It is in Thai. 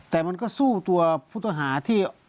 แต่มันก็สู้ตัวผู้ต้องหาที่